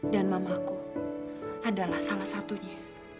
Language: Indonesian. dan mamaku adalah salah satunya